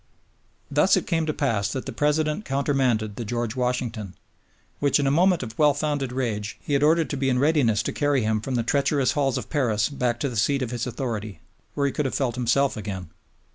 Thus it came to pass that the President countermanded the George Washington, which, in a moment of well founded rage, he had ordered to be in readiness to carry him from the treacherous halls of Paris back to the seat of his authority, where he could have felt himself again.